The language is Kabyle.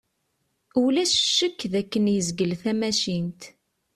Ulac ccekk d akken yezgel tamacint.